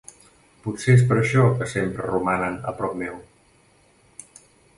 Potser és per això que sempre romanen a prop meu.